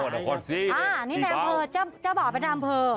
นี่แบบเผอร์เจ้าบ่าวเป็นน้ำเผอร์